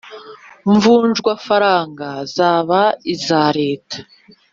mvunjwafaranga zaba iza Leta